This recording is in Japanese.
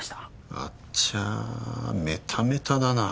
あっちゃメタメタだなあ。